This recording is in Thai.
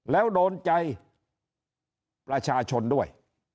แล้วโดนใจประชาชนด้วย